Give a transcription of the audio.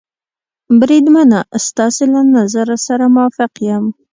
بریدمنه، ستاسې له نظر سره موافق یم.